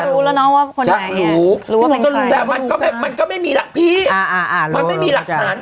จ้ารู้ว่าเป็นใครก็รู้แต่มันก็มันก็ไม่มีหลักพฤษอ่าอ่ามันไม่มีหลักฐาน